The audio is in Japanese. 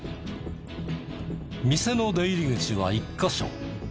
店の出入り口は１カ所。